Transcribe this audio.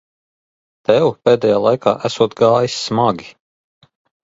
Tev pēdējā laikā esot gājis smagi.